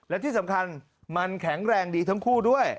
และที่สำคัญมันแข็งแรงดีทั้งคู่ด้วย